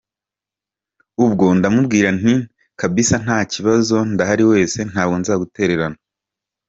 Ubwo ndamubwira nti kabisa nta kibazo ndahari wese ntabwo nzagutererana.